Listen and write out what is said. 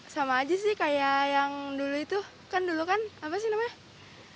sama aja sih kayak yang dulu itu kan dulu kan apa sih namanya